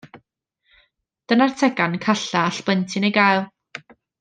Dyna'r tegan calla all plentyn ei gael.